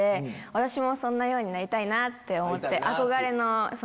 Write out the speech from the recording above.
私もそんなようになりたいなって思って。